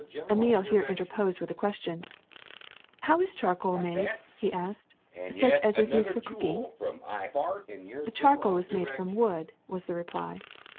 Emile here interposed with a question. *^How is charcoal made, '' he asked, ^^ such as is used for cook ingl" '^Charcoal is made from wood," was the reply.